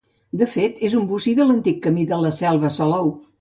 De fet, és un bocí de l'antic camí de La Selva a Salou.